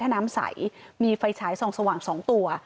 ถ้าน้ำใสมีไฟฉายส่องสว่าง๒ตัว